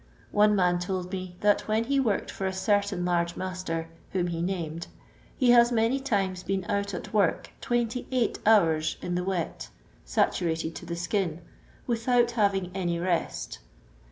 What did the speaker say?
One man told me that when he worked for a certain hirge master, whom he named, he has many times been out at work 28 hours in the wet (saturated to the skin) without having any rest.